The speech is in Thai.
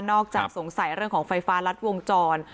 อกจากสงสัยเรื่องของไฟฟ้ารัดวงจร